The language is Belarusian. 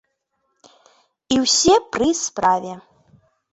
І ўсе пры справе!